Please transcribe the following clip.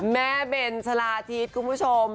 แม่เบนชลาทีดคุณผู้ชม